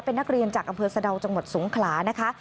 เป็นนักเรียนจากอำเภอสะดาวจังหวัดสงขลานะคะ